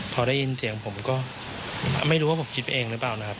พอได้ยินเสียงผมก็ไม่รู้ว่าผมคิดไปเองหรือเปล่านะครับ